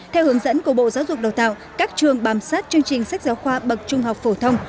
theo hướng dẫn của bộ giáo dục đào tạo các trường bám sát chương trình sách giáo khoa bậc trung học phổ thông